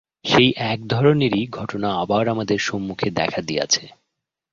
সেই এক ধরনেরই ঘটনা আবার আমাদের সম্মুখে দেখা দিয়াছে।